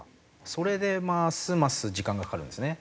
それでますます時間がかかるんですね。